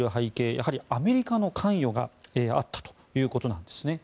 やはりアメリカの関与があったということなんです。